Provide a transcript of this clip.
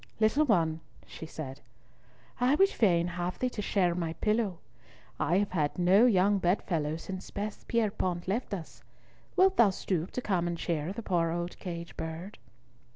"Little one," she said, "I would fain have thee to share my pillow. I have had no young bed fellow since Bess Pierrepoint left us. Wilt thou stoop to come and cheer the poor old caged bird?"